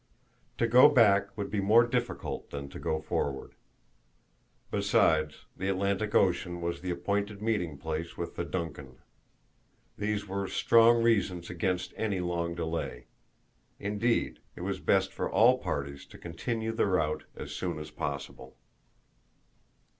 To go back would be more difficult than to go forward. Besides, the Atlantic Ocean was the appointed meeting place with the DUNCAN. These were strong reasons against any long delay; indeed it was best for all parties to continue the route as soon as possible.